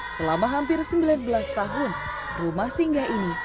selama hampir sembilan belas tahun rumah singgah ini